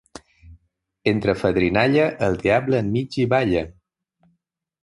Entre fadrinalla, el diable enmig hi balla.